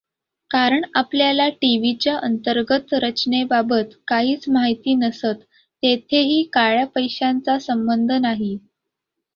कारण आपल्याला टीव्हीच्या अंतर्गत रचनेबाबत काहीच माहिती नसतंंयेथेही काळ्या पैशांचा संबंध नाही.